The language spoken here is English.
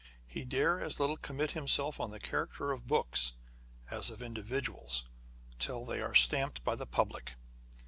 He dare as little commit himself on the character of books, as of individuals, till they are stamped by the public.